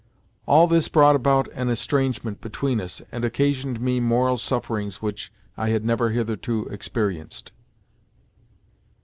All this brought about an estrangement between us and occasioned me moral sufferings which I had never hitherto experienced.